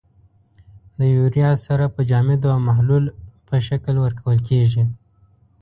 د یوریا سره په جامدو او محلول په شکل ورکول کیږي.